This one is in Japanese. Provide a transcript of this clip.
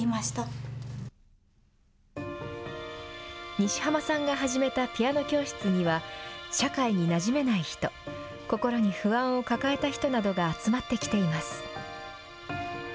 西濱さんが始めたピアノ教室には、社会になじめない人、心に不安を抱えた人などが集まってきています。